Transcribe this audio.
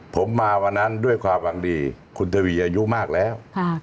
ผมมาวันนั้นด้วยความหวังดีคุณทวีอายุมากแล้ว